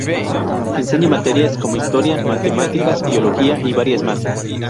Enseña materias como historia, matemáticas, biología y varias más.